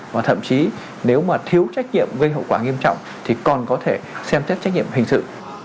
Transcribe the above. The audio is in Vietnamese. và thậm chí nếu mà thiếu trách nhiệm gây hậu quả nghiêm trọng thì còn có thể xem xét trách nhiệm hình sự